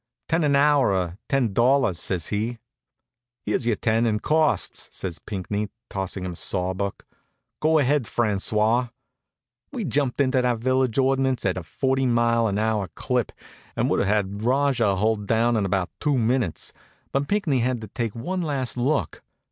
"Ten an hour or ten dollars," says he. "Here's your ten and costs," says Pinckney, tossing him a sawbuck. "Go ahead, François." We jumped into that village ordinance at a forty mile an hour clip and would have had Rajah hull down in about two minutes, but Pinckney had to take one last look.